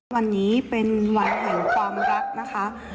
วันนี้เป็นวันแห่งความรักนะคะ